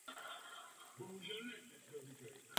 Psal články a knihy o hudbě i politice.